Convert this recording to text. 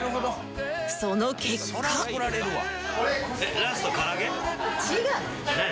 その結果何？